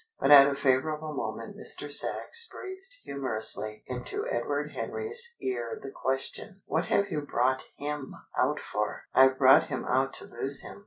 But at a favourable moment Mr. Sachs breathed humorously into Edward Henry's ear the question: "What have you brought him out for?" "I've brought him out to lose him."